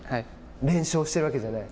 連勝してるわけじゃない。